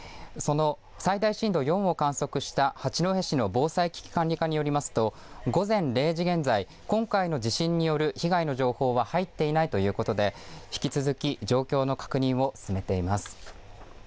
その最大震度４を観測した八戸市の防災危機管理課によりますと午前０時現在、今回の地震による被害の情報は入っていないということで引き続き情報の確認を進めています。